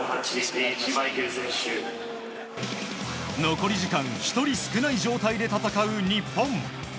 残り時間１人少ない状態で戦う日本。